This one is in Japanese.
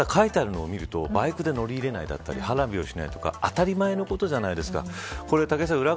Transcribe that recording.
ただ、書いてあるのを見るとバイクで乗らないとか花火をしないとか当たり前のことじゃないですか。